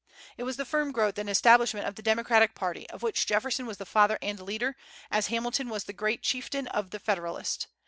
It was the firm growth and establishment of the Democratic party, of which Jefferson was the father and leader, as Hamilton was the great chieftain of the Federalist.